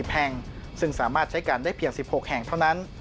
แห่งซึ่งสามารถใช้กันได้เพียง๑๖แห่งเท่านั้น